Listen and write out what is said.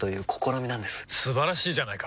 素晴らしいじゃないか！